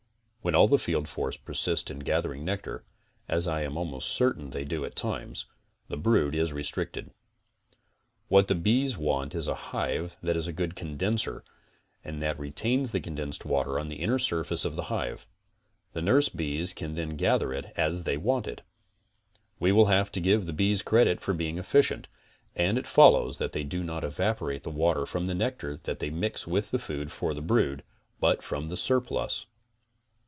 When all the field force presist in gathering nectar, as I am almost certain they do at times, the brood is restricted. What the bees want is a hive that is a good condenser and that retains the condensed water on the inner surface of the hive. The nurse bees can then gather it as they want it. We will have to give the bees credit for being efficient, and it follows that they do not evaporate the water from the nectar that they mix with the food for the brood, but from the surplus.